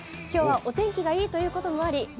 今日はお天気がいいということもあり